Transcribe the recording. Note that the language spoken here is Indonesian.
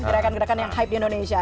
gerakan gerakan yang hype di indonesia